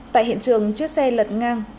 tại hiện trường chiếc xe lật ngang